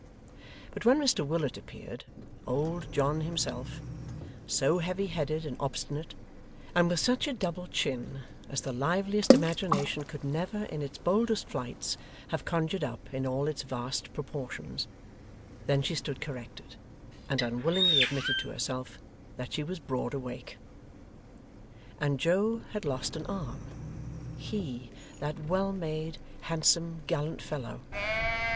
But when Mr Willet appeared old John himself so heavy headed and obstinate, and with such a double chin as the liveliest imagination could never in its boldest flights have conjured up in all its vast proportions then she stood corrected, and unwillingly admitted to herself that she was broad awake. And Joe had lost an arm he that well made, handsome, gallant fellow!